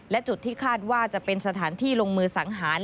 และจุดที่คาดว่าจะเป็นสถานที่ลงมือสังหาร